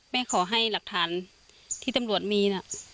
ขอให้หลักฐานที่ตำรวจมีนะ